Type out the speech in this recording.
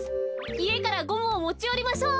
いえからゴムをもちよりましょう。